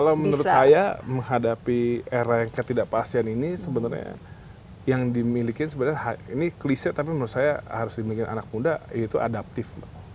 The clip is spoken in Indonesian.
kalau menurut saya menghadapi era yang ketidakpastian ini sebenarnya yang dimiliki sebenarnya ini klise tapi menurut saya harus dimiliki anak muda yaitu adaptif